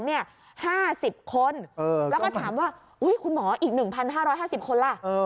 ๕๐คนแล้วก็ถามว่าคุณหมออีก๑๕๕๐คนล่ะ